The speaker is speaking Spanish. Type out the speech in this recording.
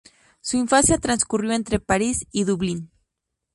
Su infancia transcurrió entre París y Dublín.